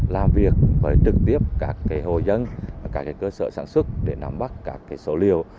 làm việc với trực tiếp các hồ dân các cơ sở sản xuất để nắm bắt các số liều